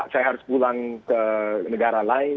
saya harus pulang ke negara lain